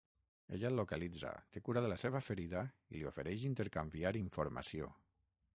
Ella el localitza, té cura de la seva ferida i li ofereix intercanviar informació.